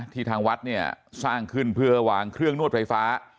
ทางวัดเนี่ยสร้างขึ้นเพื่อวางเครื่องนวดไฟฟ้า